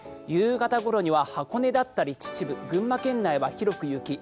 夕方ごろには箱根だったり秩父群馬県内は広く雪。